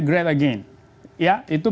great again ya itu